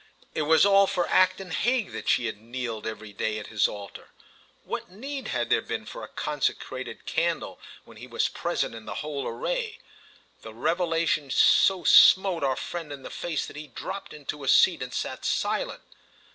It was all for Acton Hague that she had kneeled every day at his altar. What need had there been for a consecrated candle when he was present in the whole array? The revelation so smote our friend in the face that he dropped into a seat and sat silent.